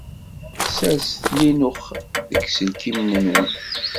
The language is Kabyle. Sserset Linux deg yiselkimen-nwen!